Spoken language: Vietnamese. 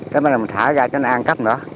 cái này mình thả ra cho nó ăn cắp nữa